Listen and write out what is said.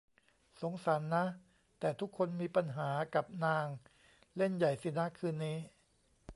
สงสารนะ แต่ทุกคนมีปัญหากับนาง เล่นใหญ่สินะคืนนี้